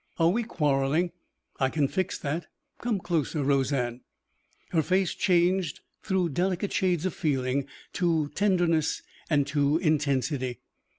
"Are we quarreling? I can fix that. Come closer, Roseanne." Her face changed through delicate shades of feeling to tenderness and to intensity.